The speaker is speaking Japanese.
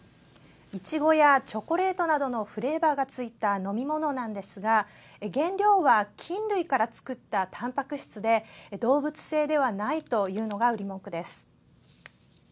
いちごやチョコレートなどのフレーバーがついた飲み物なんですが原料は菌類から作ったたんぱく質で動物性ではないというのが売り文句です。